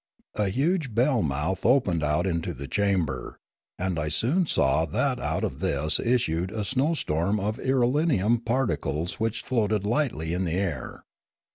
A huge bell mouth opened out into the chamber; and I soon saw that out of this issued a snow storm of irelium particles which floated lightly in the air.